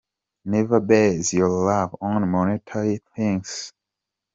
Never base your love on monetary things.